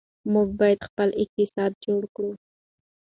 موږ باید خپل اقتصاد جوړ کړو.